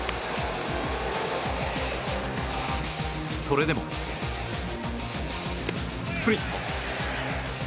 それでも、スプリット。